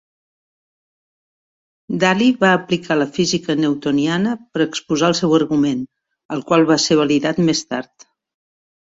Daly va aplicar la física newtoniana per exposar el seu argument, el qual va ser validat més tard.